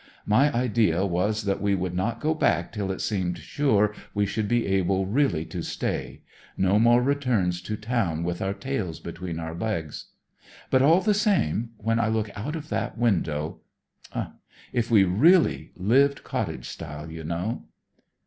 My idea was that we would not go back till it seemed sure we should be able really to stay; no more returns to town with our tails between our legs. But, all the same, when I look out of that window if we really lived cottage style, you know."